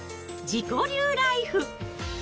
自己流ライフ。